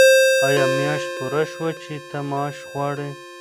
آیا میاشت پوره شوه چې ته معاش غواړې؟